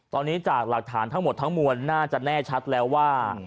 ตอนนี้จากหลักฐานทั้งหมดทั้งมวลน่าจะแน่ชัดแล้วว่า